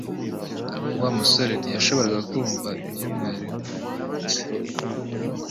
Wa musore ntiyashoboraga kumva ibyo mwarimu avuga